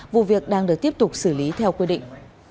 vụ việc đang được tiếp tục xử lý theo quy định